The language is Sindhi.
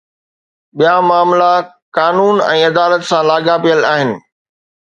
ٻيا معاملا قانون ۽ عدالت سان لاڳاپيل آهن